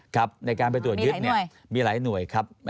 ครับในการไปตรวจยึดเนี่ยมีหลายหน่วยครับ